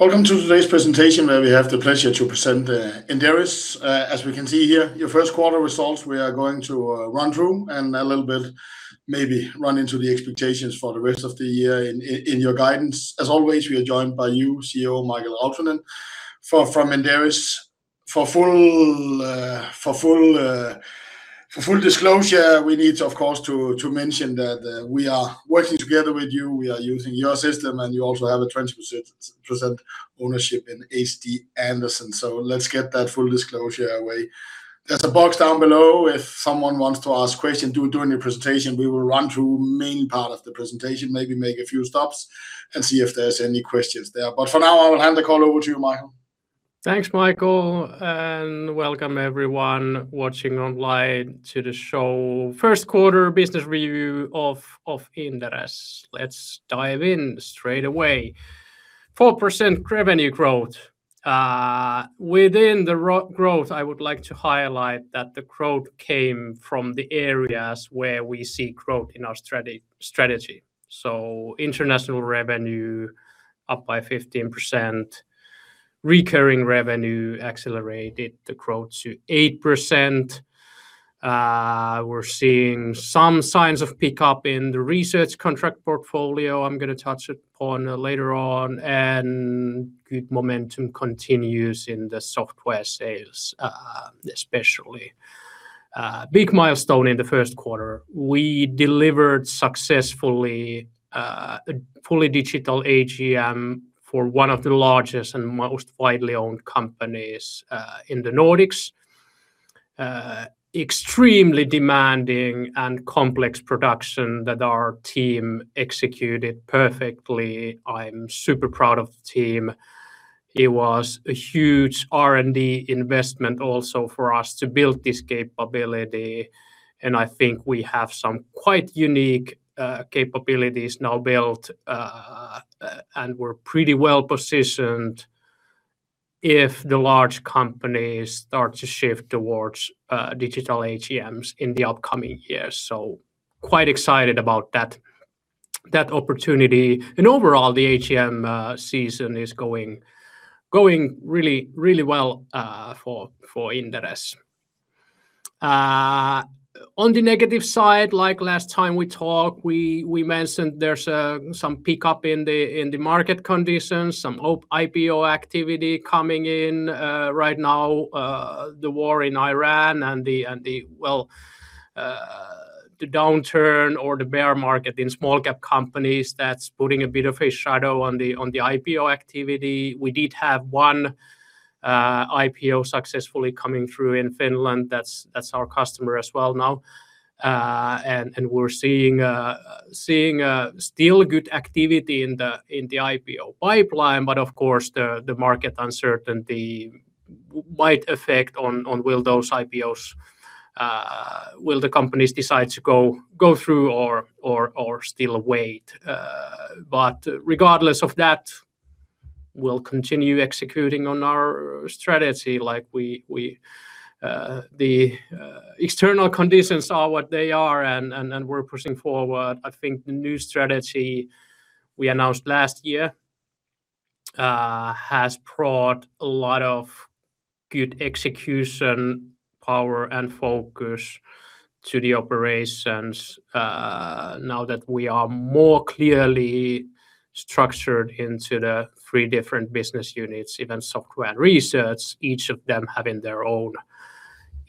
Welcome to today's presentation, where we have the pleasure to present Inderes. As we can see here, your first quarter results. We are going to run through and a little bit maybe run through the expectations for the rest of the year in your guidance. As always, we are joined by you, CEO Mikael Rautanen from Inderes. For full disclosure, we need, of course, to mention that we are working together with you, we are using your system, and you also have a 20% ownership in HC Andersen. Let's get that full disclosure away. There's a box down below if someone wants to ask questions during the presentation. We will run through the main part of the presentation, maybe make a few stops and see if there's any questions there. For now, I will hand the call over to you, Mikael. Thanks, Michael, and welcome everyone watching online to the show. First quarter business review of Inderes. Let's dive in straight away. 4% revenue growth. Within the growth, I would like to highlight that the growth came from the areas where we see growth in our strategy. International revenue up by 15%, recurring revenue accelerated the growth to 8%. We're seeing some signs of pick-up in the research contract portfolio I'm going to touch upon later on, and good momentum continues in the software sales, especially. Big milestone in the first quarter, we delivered successfully a fully digital AGM for one of the largest and most widely owned companies in the Nordics. Extremely demanding and complex production that our team executed perfectly. I'm super proud of the team. It was a huge R&D investment also for us to build this capability, and I think we have some quite unique capabilities now built, and we're pretty well-positioned if the large companies start to shift towards digital AGMs in the upcoming years. Quite excited about that opportunity. Overall, the AGM season is going really well for Inderes. On the negative side, like last time we talked, we mentioned there's some pick-up in the market conditions, some IPO activity coming in right now, the war in Iran and the downturn or the bear market in small-cap companies, that's putting a bit of a shadow on the IPO activity. We did have one IPO successfully coming through in Finland. That's our customer as well now. We're seeing still good activity in the IPO pipeline, but of course, the market uncertainty might affect whether those IPOs, whether the companies decide to go through or still wait. Regardless of that, we'll continue executing on our strategy. The external conditions are what they are, and we're pushing forward. I think the new strategy we announced last year has brought a lot of good execution power and focus to the operations now that we are more clearly structured into the three different business units, events, software, and research, each of them having their own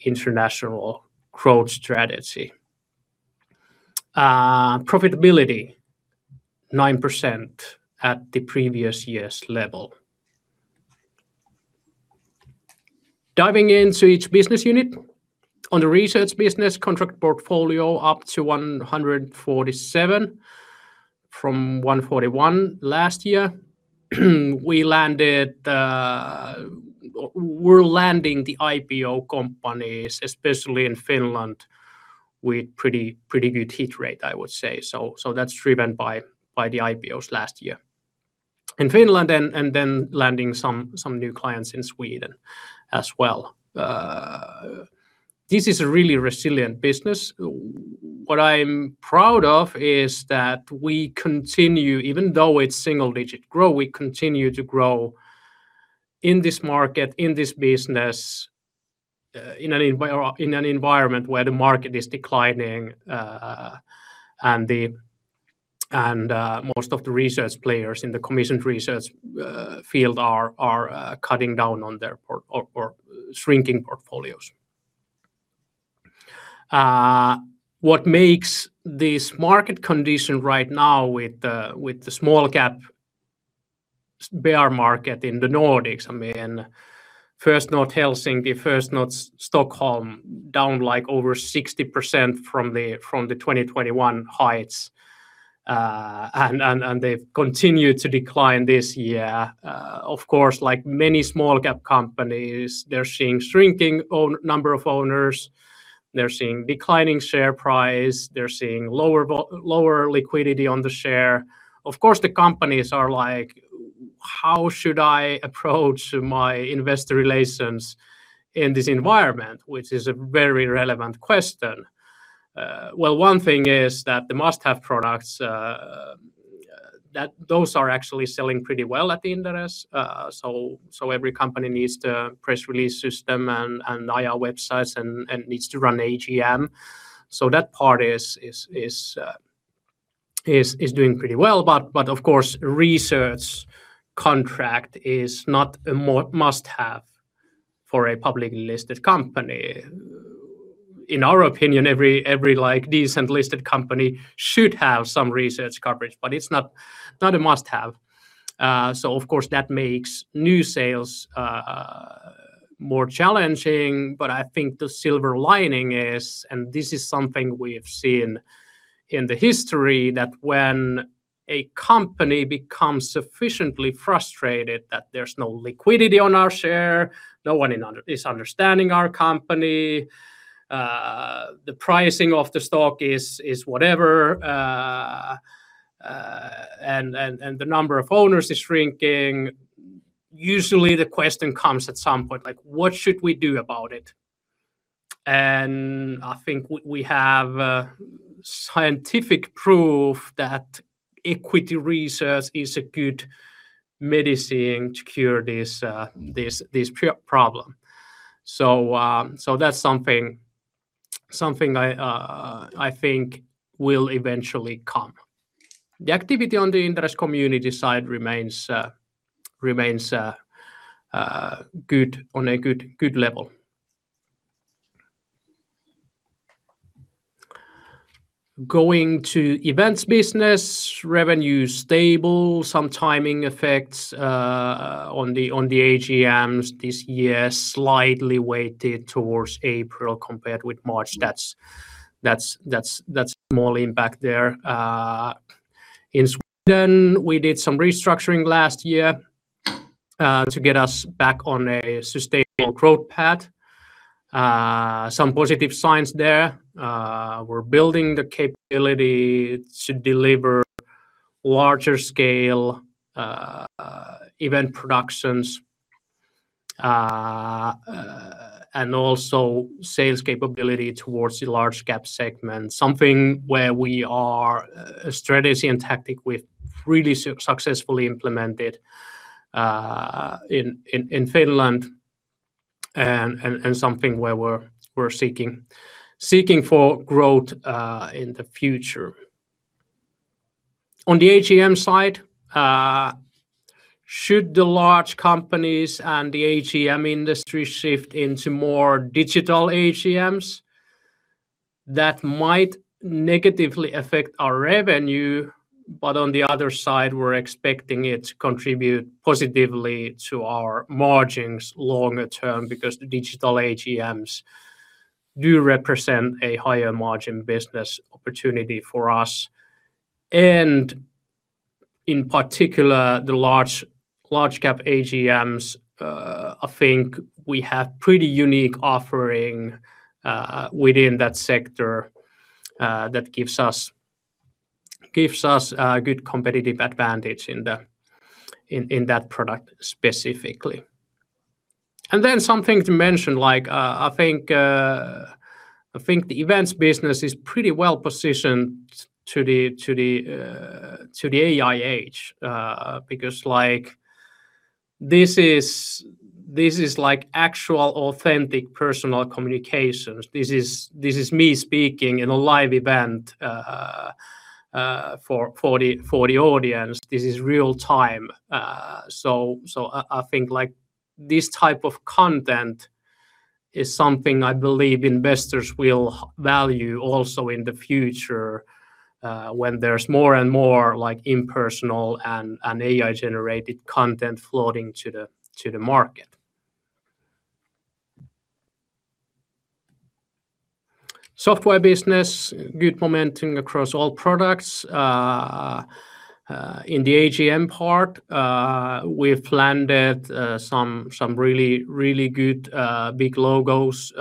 international growth strategy. Profitability 9% at the previous year's level. Diving into each business unit. On the research business contract portfolio up to 147 from 141 last year. We're landing the IPO companies, especially in Finland, with pretty good hit rate, I would say. That's driven by the IPOs last year in Finland and then landing some new clients in Sweden as well. This is a really resilient business. What I'm proud of is that we continue, even though it's single-digit growth, we continue to grow in this market, in this business in an environment where the market is declining and most of the research players in the commissioned research field are cutting down on their or shrinking portfolios. What makes this market condition right now with the small-cap bear market in the Nordics, I mean, First North Helsinki, First North Stockholm, down like over 60% from the 2021 heights, and they've continued to decline this year. Of course, like many small-cap companies, they're seeing shrinking number of owners. They're seeing declining share price. They're seeing lower liquidity on the share. Of course, the companies are like, "How should I approach my investor relations in this environment?" Which is a very relevant question. Well, one thing is that the must-have products those are actually selling pretty well at the Inderes. Every company needs the press release system and IR websites and needs to run AGM. That part is doing pretty well, but of course, research contract is not a must-have for a publicly listed company. In our opinion, every decent listed company should have some research coverage, but it's not a must-have. Of course, that makes new sales more challenging, but I think the silver lining is, and this is something we have seen in the history, that when a company becomes sufficiently frustrated that there's no liquidity on our share, no one is understanding our company, the pricing of the stock is whatever, and the number of owners is shrinking, usually the question comes at some point. What should we do about it? I think we have scientific proof that equity research is a good medicine to cure this problem. That's something I think will eventually come. The activity on the Inderes community side remains on a good level. Going to events business, revenue is stable, some timing effects on the AGMs this year slightly weighted towards April compared with March. That's more lean back there. In Sweden, we did some restructuring last year to get us back on a sustainable growth path. Some positive signs there. We're building the capability to deliver larger scale event productions, and also sales capability towards the large-cap segment, something where we are a strategy and tactic we've really successfully implemented in Finland and something where we're seeking for growth in the future. On the AGM side, should the large companies and the AGM industry shift into more digital AGMs, that might negatively affect our revenue, but on the other side, we're expecting it to contribute positively to our margins longer term because the digital AGMs do represent a higher margin business opportunity for us. In particular, the large-cap AGMs, I think we have pretty unique offering within that sector that gives us a good competitive advantage in that product specifically. Then something to mention, I think the events business is pretty well positioned to the AI age because this is actual, authentic, personal communications. This is me speaking in a live event for the audience. This is real-time. I think this type of content is something I believe investors will value also in the future when there's more and more impersonal and AI-generated content floating to the market. Software business, good momentum across all products. In the AGM part we've landed some really good big logos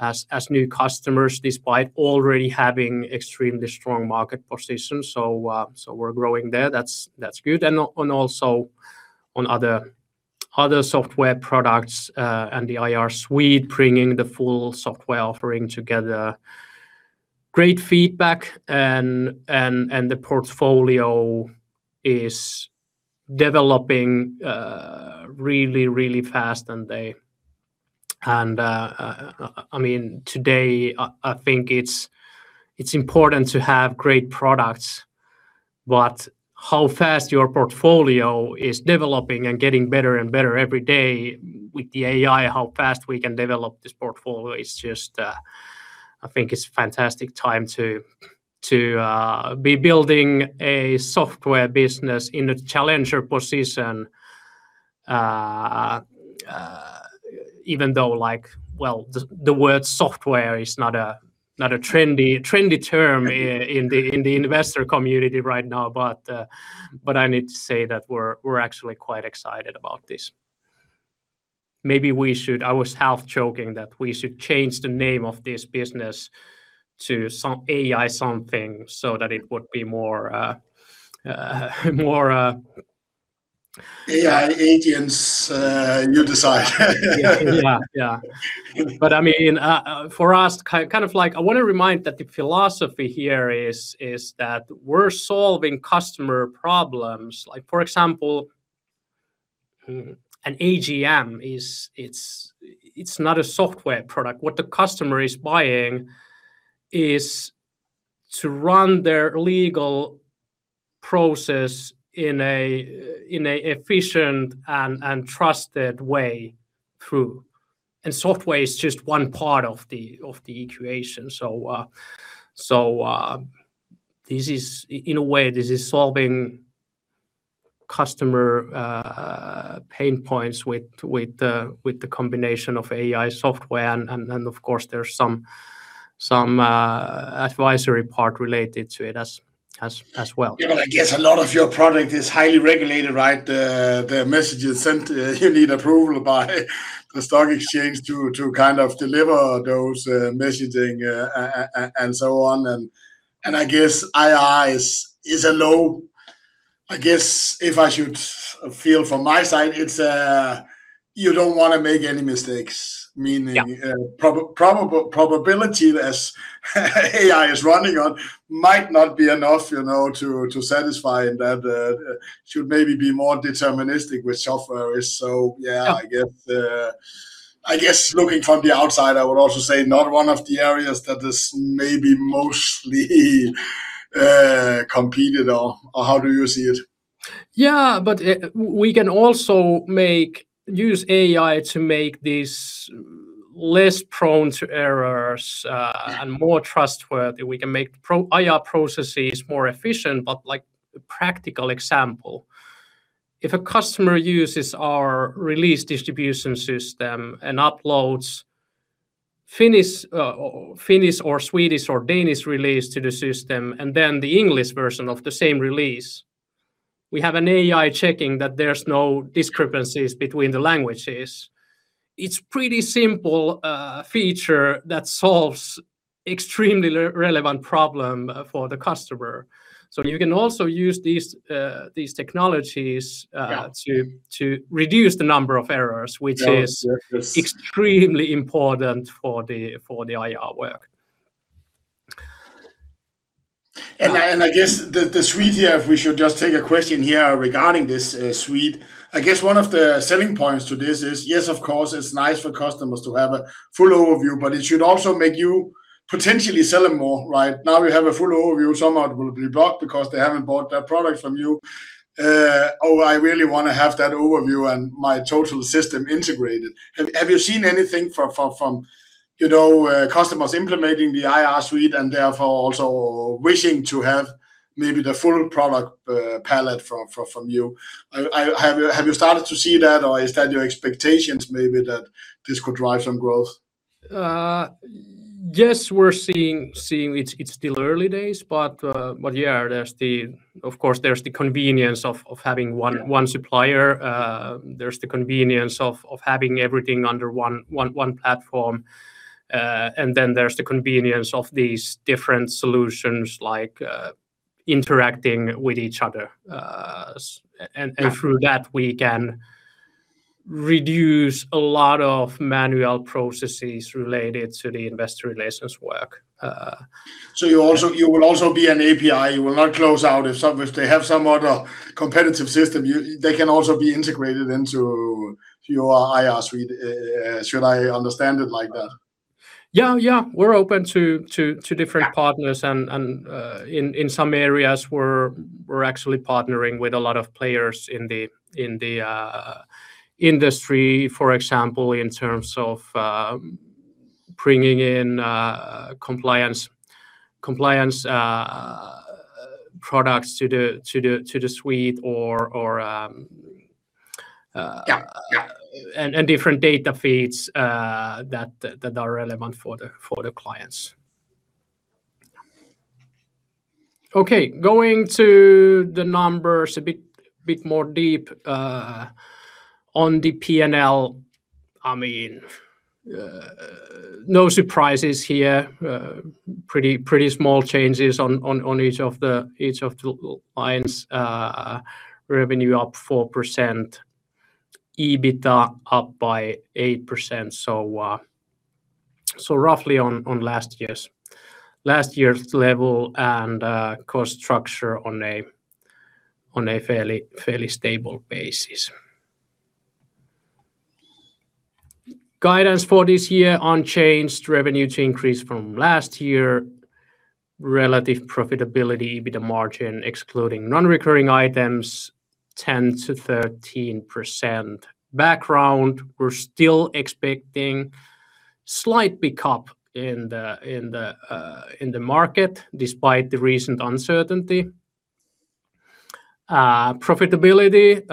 as new customers, despite already having extremely strong market position. We're growing there, that's good. Also on other software products and the IR Suite bringing the full software offering together. Great feedback and the portfolio is developing really, really fast. Today, I think it's important to have great products, but how fast your portfolio is developing and getting better and better every day with the AI, how fast we can develop this portfolio is just I think it's a fantastic time to be building a software business in a challenger position even though the word software is not a trendy term in the investor community right now. I need to say that we're actually quite excited about this. I was half joking that we should change the name of this business to AI something so that it would be more. AI agents, you decide. Yeah. For us, I want to remind that the philosophy here is that we're solving customer problems. For example, an AGM, it's not a software product. What the customer is buying is to run their legal process in an efficient and trusted way through. Software is just one part of the equation. In a way, this is solving customer pain points with the combination of AI software and then, of course, there's some advisory part related to it as well. I guess a lot of your product is highly regulated. The messages sent, you need approval by the stock exchange to deliver those messaging and so on. I guess AI is a low. I guess if I should feel from my side, you don't want to make any mistakes. Yeah. Meaning, probabilistic as AI is running on might not be enough to satisfy that. Should maybe be more deterministic with software. Yeah. I guess looking from the outside, I would also say not one of the areas that is maybe mostly competed on, or how do you see it? Yeah, we can also use AI to make this less prone to errors and more trustworthy. We can make IR processes more efficient, but practical example, if a customer uses our release distribution system and uploads Finnish or Swedish or Danish release to the system, and then the English version of the same release, we have an AI checking that there's no discrepancies between the languages. It's pretty simple feature that solves extremely relevant problem for the customer. You can also use these technologies- Yeah. to reduce the number of errors, which is. Yeah. Yes. Extremely important for the IR work. I guess the suite here, if we should just take a question here regarding this suite, I guess one of the selling points to this is, yes, of course, it's nice for customers to have a full overview, but it should also make you potentially sell them more. Now we have a full overview. Some of it will be blocked because they haven't bought that product from you. "Oh, I really want to have that overview and my total system integrated." Have you seen anything from customers implementing the IR Suite and therefore also wishing to have maybe the full product palette from you? Have you started to see that, or is that your expectations, maybe, that this could drive some growth? Yes, we're seeing it's still early days, but yeah. Of course, there's the convenience of having one supplier. There's the convenience of having everything under one platform. Then there's the convenience of these different solutions interacting with each other. Through that, we can reduce a lot of manual processes related to the investor relations work. You will also be an API, you will not close out. If they have some other competitive system, they can also be integrated into your IR Suite. Should I understand it like that? Yeah. We're open to different partners and in some areas we're actually partnering with a lot of players in the industry, for example, in terms of bringing in compliance products to the suite or. Yeah. And different data feeds that are relevant for the clients. Okay. Going to the numbers a bit more deep on the P&L. No surprises here. Pretty small changes on each of the lines. Revenue up 4%, EBITA up by 8%, so roughly on last year's level and cost structure on a fairly stable basis. Guidance for this year unchanged, revenue to increase from last year. Relative profitability, EBITA margin excluding non-recurring items, 10%-13%. Background, we're still expecting slight pickup in the market despite the recent uncertainty. Profitability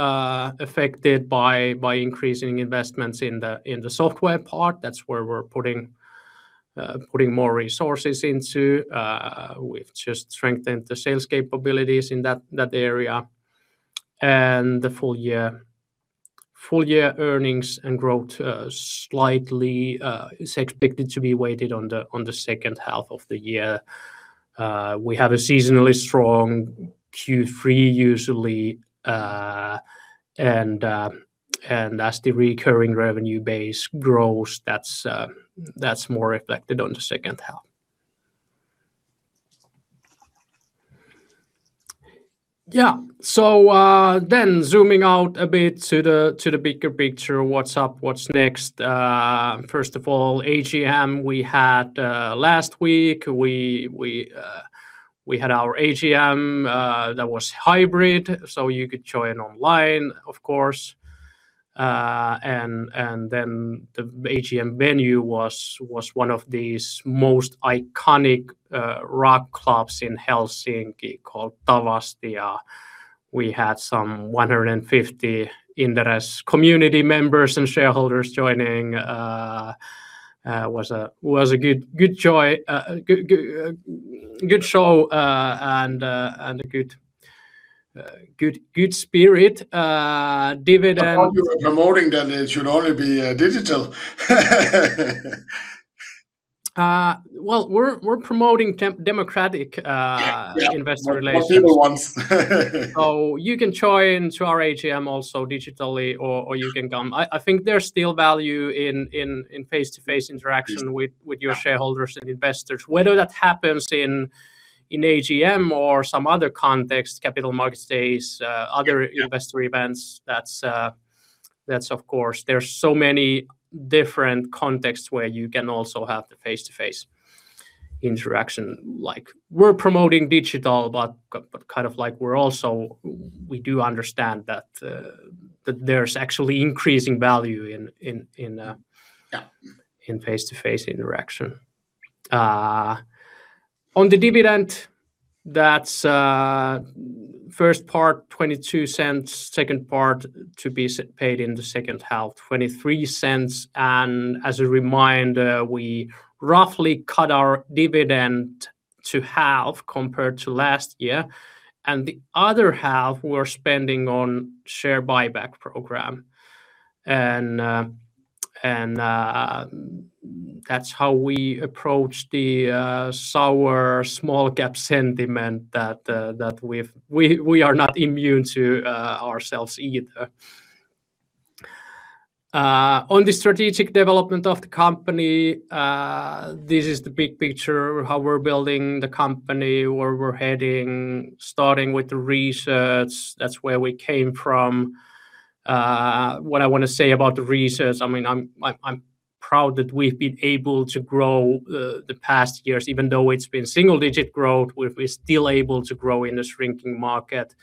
affected by increasing investments in the software part. That's where we're putting more resources into. We've just strengthened the sales capabilities in that area. The full year earnings and growth is expected to be weighted on the second half of the year. We have a seasonally strong Q3 usually, and as the recurring revenue base grows, that's more reflected on the second half. Yeah. Zooming out a bit to the bigger picture, what's up? What's next? First of all, AGM we had last week. We had our AGM that was hybrid, so you could join online, of course. The AGM venue was one of these most iconic rock clubs in Helsinki called Tavastia. We had some 150 Inderes community members and shareholders joining. Was a good show and a good spirit. Dividend. I thought you were promoting that it should only be digital. Well, we're promoting democratic investor relations. Yeah. More people wants. You can join our AGM also digitally, or you can come. I think there's still value in face-to-face interaction with your shareholders and investors. Whether that happens in AGM or some other context, capital market days, other investor events, that's of course. There's so many different contexts where you can also have the face-to-face interaction. We're promoting digital, but we do understand that there's actually increasing value in face-to-face interaction. On the dividend, that's the first part 0.22, second part to be paid in the second half, 0.23. As a reminder, we roughly cut our dividend to half compared to last year. The other half, we're spending on share buyback program. That's how we approach the sour small cap sentiment that we are not immune to ourselves either. On the strategic development of the company, this is the big picture, how we're building the company, where we're heading, starting with the research. That's where we came from. What I want to say about the research, I'm proud that we've been able to grow the past years, even though it's been single-digit growth. We're still able to grow in a shrinking market.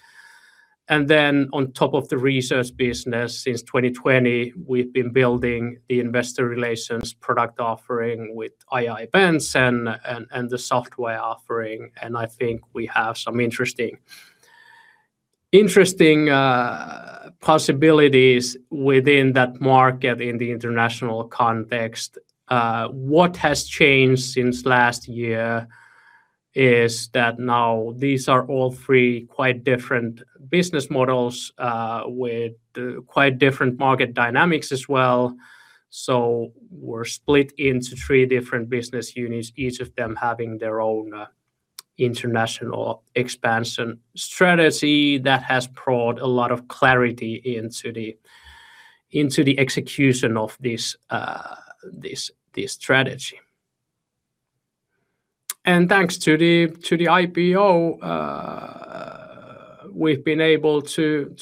On top of the research business, since 2020, we've been building the investor relations product offering with AI events and the software offering, and I think we have some interesting possibilities within that market in the international context. What has changed since last year is that now these are all three quite different business models with quite different market dynamics as well. We're split into three different business units, each of them having their own international expansion strategy that has brought a lot of clarity into the execution of this strategy. Thanks to the IPO, we've been able to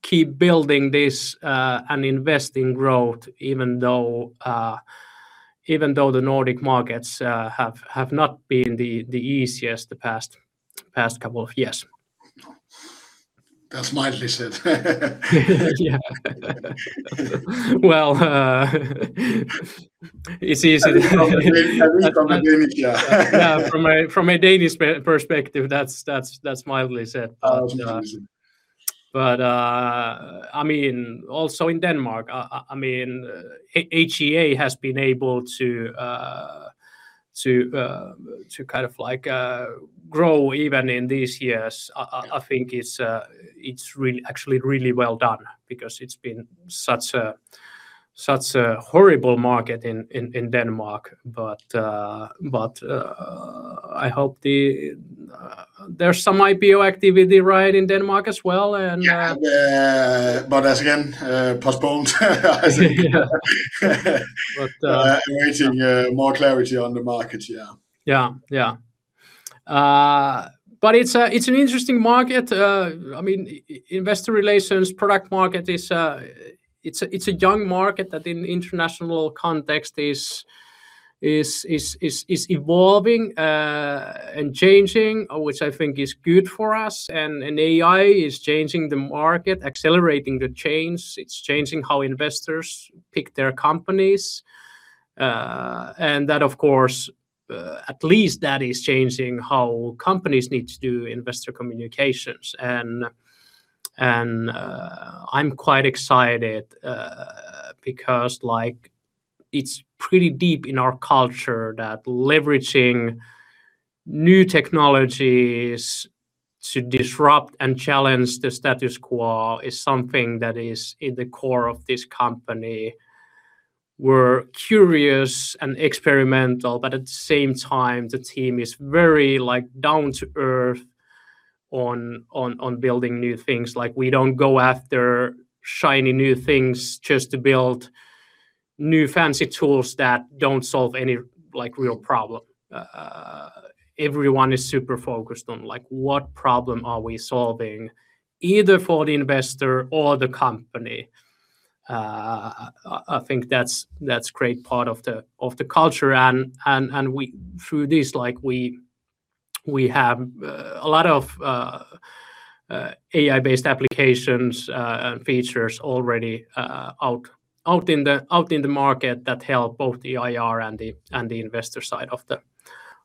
keep building this and invest in growth even though the Nordic markets have not been the easiest the past couple of years. That's mildly said. Yeah. Well, it's easy. I mean, from a Danish, yeah. Yeah. From a Danish perspective, that's mildly said. Absolutely. Also in Denmark, HCA has been able to grow even in these years. I think it's actually really well done because it's been such a horrible market in Denmark. There's some IPO activity now in Denmark as well. Yeah. That's, again, postponed. Yeah. Waiting for more clarity on the market, yeah. Yeah. It's an interesting market. Investor relations product market, it's a young market that in international context is evolving and changing, which I think is good for us. AI is changing the market, accelerating the change. It's changing how investors pick their companies. That, of course, at least that is changing how companies need to do investor communications. I'm quite excited because, like, it's pretty deep in our culture that leveraging new technologies to disrupt and challenge the status quo is something that is in the core of this company. We're curious and experimental, but at the same time, the team is very down-to-earth on building new things. We don't go after shiny new things just to build new fancy tools that don't solve any real problem. Everyone is super focused on what problem are we solving, either for the investor or the company. I think that's great part of the culture. Through this, we have a lot of AI-based applications and features already out in the market that help both the IR and the investor side of the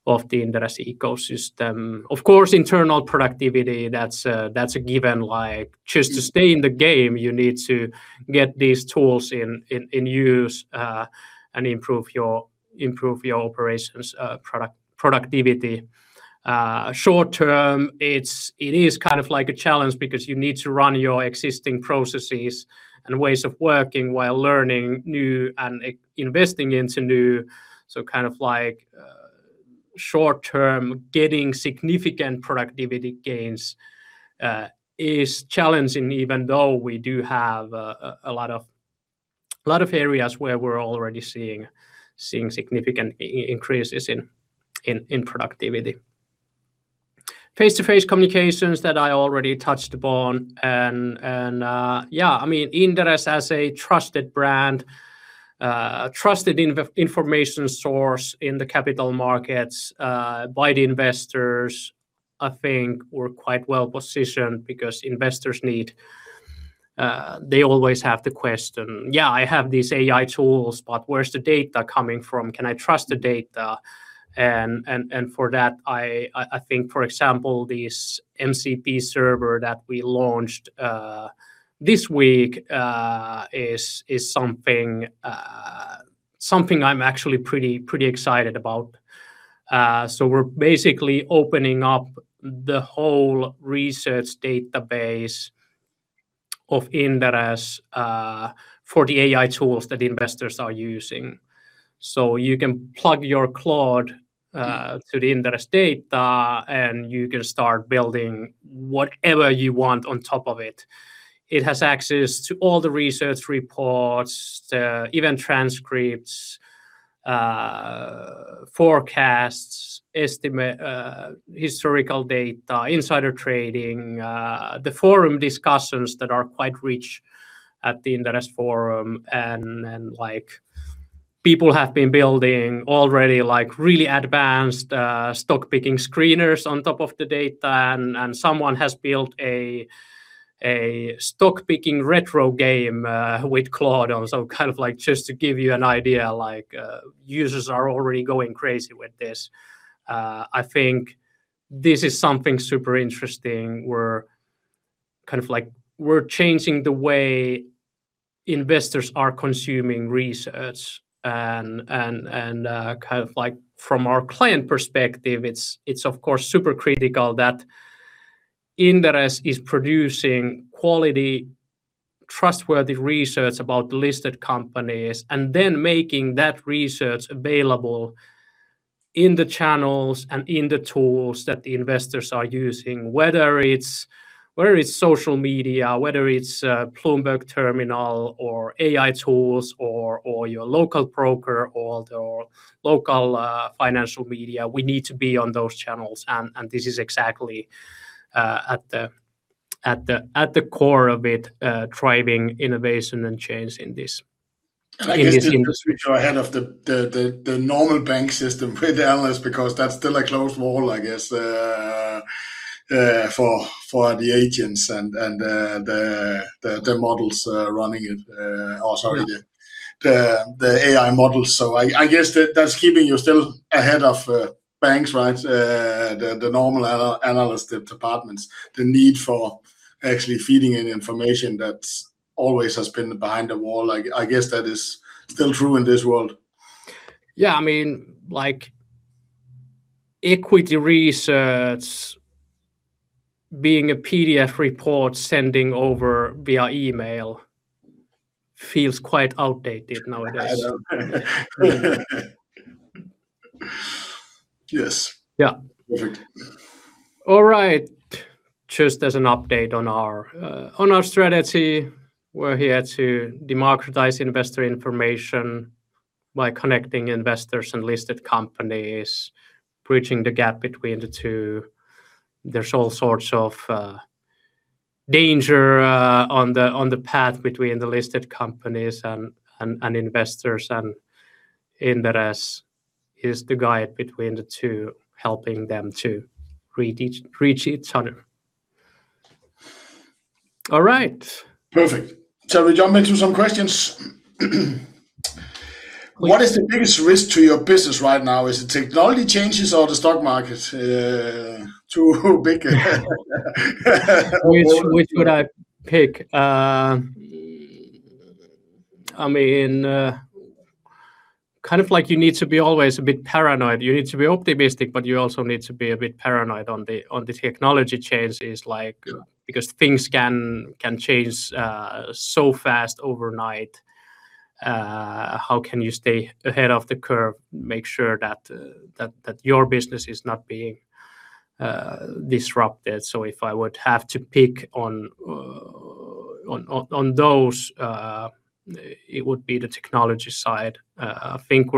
Inderes ecosystem. Of course, internal productivity, that's a given. Just to stay in the game, you need to get these tools in use and improve your operations product productivity. Short-term, it is a challenge because you need to run your existing processes and ways of working while learning new and investing into new. Short-term, getting significant productivity gains is challenging, even though we do have a lot of areas where we're already seeing significant increases in productivity. Face-to-face communications that I already touched upon. Yeah, Inderes as a trusted brand, trusted information source in the capital markets by the investors, I think we're quite well-positioned because investors, they always have to question, "Yeah, I have these AI tools, but where's the data coming from? Can I trust the data?" For that, I think, for example, this MCP server that we launched this week is something I'm actually pretty excited about. We're basically opening up the whole research database of Inderes for the AI tools that investors are using. You can plug your Claude to the Inderes data, and you can start building whatever you want on top of it. It has access to all the research reports, the event transcripts, forecasts, historical data, insider trading, the forum discussions that are quite rich at the Inderes forum. People have been building already really advanced stock picking screeners on top of the data. Someone has built a stock picking retro game with Claude. Just to give you an idea, users are already going crazy with this. I think this is something super interesting. We're changing the way investors are consuming research. From our client perspective, it's of course super critical that Inderes is producing quality, trustworthy research about listed companies and then making that research available in the channels and in the tools that the investors are using, whether it's social media, whether it's Bloomberg Terminal or AI tools or your local broker or the local financial media. We need to be on those channels. This is exactly at the core of it, driving innovation and change in this industry. I guess you're ahead of the normal bank system with the analysts, because that's still a closed wall, I guess, for the agents and the models running it, or, sorry, the AI models. I guess that's keeping you still ahead of banks, right? The normal analyst departments, the need for actually feeding in information that always has been behind a wall. I guess that is still true in this world. Yeah. Equity research being a PDF report sending over via email feels quite outdated nowadays. Yes. Yeah. Perfect. All right. Just as an update on our strategy. We're here to democratize investor information by connecting investors and listed companies, bridging the gap between the two. There's all sorts of danger on the path between the listed companies and investors, and Inderes is the guide between the two, helping them to reach each other. All right. Perfect. Shall we jump into some questions? What is the biggest risk to your business right now? Is it technology changes or the stock market? Too big. Which would I pick. I mean, kind of like you need to be always a bit paranoid. You need to be optimistic, but you also need to be a bit paranoid on the technology changes like. Yeah. Because things can change so fast overnight. How can you stay ahead of the curve, make sure that your business is not being disrupted? If I would have to pick on those, it would be the technology side. I think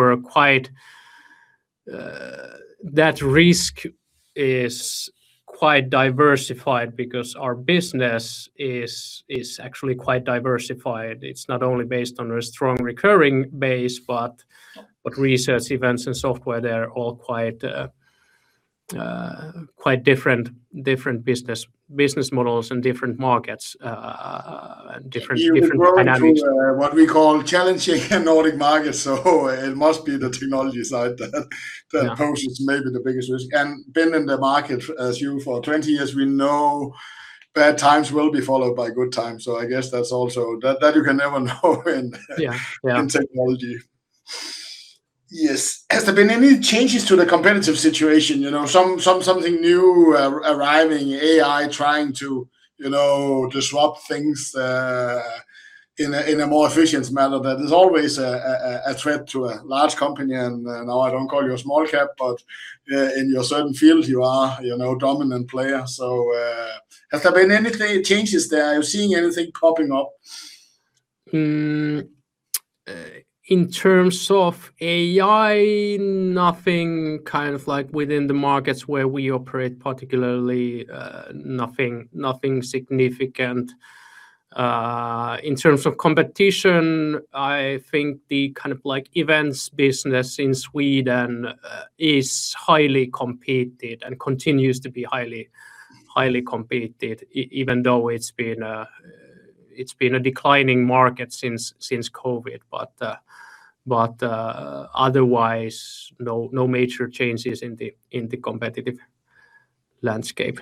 that risk is quite diversified because our business is actually quite diversified. It's not only based on a strong recurring base, but research, events, and software, they're all quite different business models and different markets, and different dynamics. You've grown through what we call challenging Nordic markets, so it must be the technology side that poses maybe the biggest risk. Been in the market as you for 20 years, we know bad times will be followed by good times. I guess that you can never know in- Yeah. ... in technology. Yes. Has there been any changes to the competitive situation? Something new arriving, AI trying to disrupt things in a more efficient manner that is always a threat to a large company? No, I don't call you a small cap, but in your certain field you are a dominant player. Has there been anything changes there? Are you seeing anything popping up? In terms of AI, nothing kind of like within the markets where we operate, particularly nothing significant. In terms of competition, I think the kind of events business in Sweden is highly competed and continues to be highly competed, even though it's been a declining market since COVID. Otherwise, no major changes in the competitive landscape.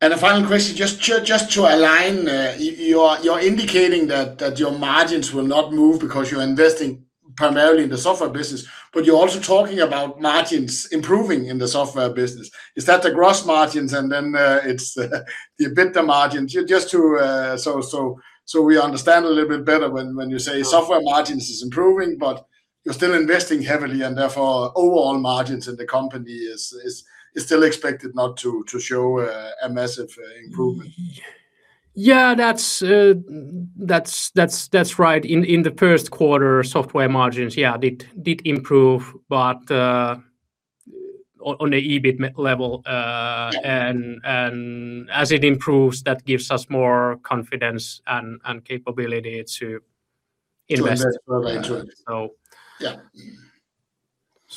A final question, just to align, you're indicating that your margins will not move because you're investing primarily in the software business, but you're also talking about margins improving in the software business. Is that the gross margins and then it's the EBITDA margins? Just so we understand a little bit better when you say software margins is improving, but you're still investing heavily and therefore overall margins in the company is still expected not to show a massive improvement. Yeah, that's right. In the first quarter, software margins, yeah, did improve, but on the EBIT level. As it improves, that gives us more confidence and capability to invest further. To invest further into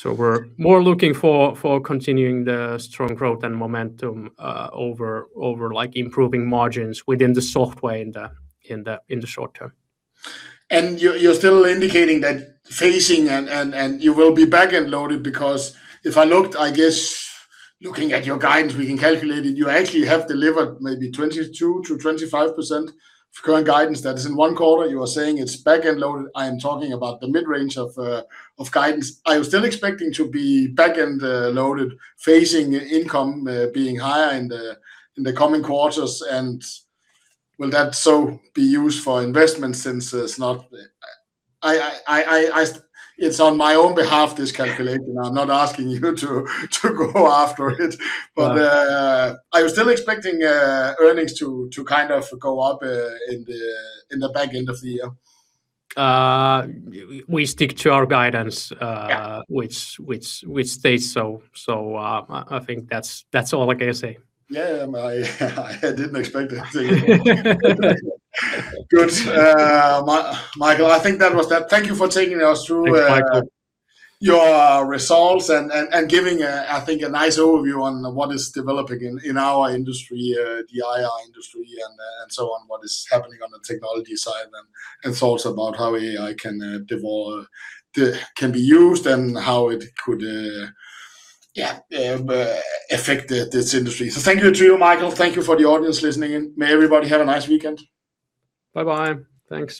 it.... so. Yeah. We're more looking for continuing the strong growth and momentum over improving margins within the software in the short term. You're still indicating that phasing and you will be back end loaded because if I looked, I guess looking at your guidance, we can calculate it. You actually have delivered maybe 22%-25% of current guidance. That is in one quarter. You are saying it's back end loaded. I am talking about the mid-range of guidance. I was still expecting to be back end loaded, phasing income being higher in the coming quarters. Will that also be used for investment since it's not. It's on my own behalf, this calculation. I'm not asking you to go after it. Right. I was still expecting earnings to kind of go up in the back end of the year. We stick to our guidance. Yeah. Which stays so. I think that's all I can say. Yeah. I didn't expect it to. Good. Mikael, I think that was that. Thank you for taking us through- Thanks, Michael.... your results and giving, I think, a nice overview on what is developing in our industry, the IR industry and so on, what is happening on the technology side, and thoughts about how AI can be used and how it could, yeah, affect this industry. Thank you to you, Mikael. Thank you for the audience listening in. May everybody have a nice weekend. Bye-bye. Thanks.